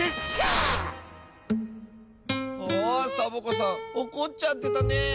あサボ子さんおこっちゃってたね。